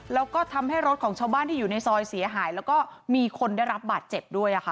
แล้วก็ทำให้รถของชาวบ้านที่อยู่ในซอยเสียหายแล้วก็มีคนได้รับบาดเจ็บด้วยค่ะ